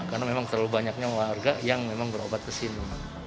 karena memang terlalu banyaknya warga yang memang berobat kesini